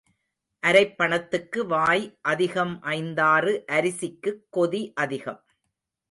அரைப் பணத்துக்கு வாய் அதிகம் ஐந்தாறு அரிசிக்குக் கொதி அதிகம்.